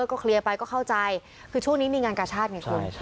ก็เคลียร์ไปก็เข้าใจคือช่วงนี้มีงานกาชาติไงคุณ